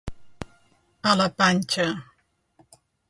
A la panxa.